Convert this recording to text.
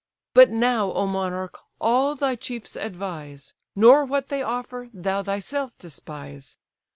But now, O monarch! all thy chiefs advise: Nor what they offer, thou thyself despise.